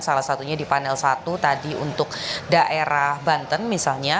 salah satunya di panel satu tadi untuk daerah banten misalnya